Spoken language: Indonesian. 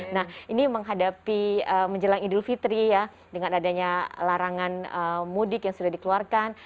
nah ini menghadapi menjelang idul fitri ya dengan adanya larangan mudik yang sudah dikeluarkan